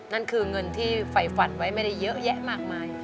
นั่นคือเงินที่ไฟฝันไว้ไม่ได้เยอะแยะมากมาย